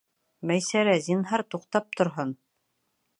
Мәйсәрә, зинһар, туҡтап торһон.